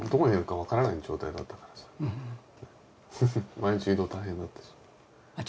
毎日移動大変だったし。